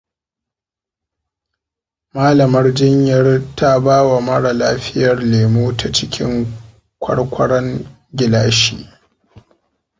Malamar jinyar ta bawa mara lafiyar lemo ta cikin kwarkwaron gilashi.